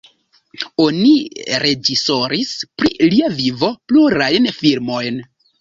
Oni reĝisoris pri lia vivo plurajn filmojn.